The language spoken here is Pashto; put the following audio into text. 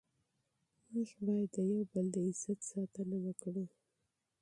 موږ باید د یو بل د عزت ساتنه وکړو.